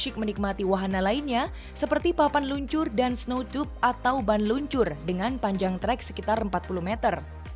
pemain pemenangnya juga asyik menikmati wahana lainnya seperti papan luncur dan snow tube atau ban luncur dengan panjang trek sekitar empat puluh meter